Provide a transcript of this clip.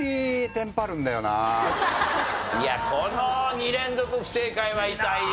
いやこの２連続不正解は痛いよ。